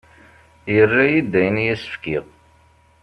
Yerra-iyi-d ayen i as-fkiɣ.